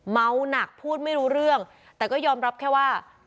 เมาหนักพูดไม่รู้เรื่องแต่ก็ยอมรับแค่ว่า